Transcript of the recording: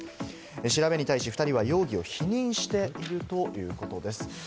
調べに対し２人は容疑を否認しているということです。